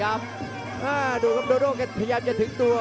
อ้าวโดโดโด่พยายามจะถึงตัว